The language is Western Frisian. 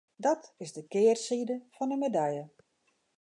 Dat is de kearside fan de medalje.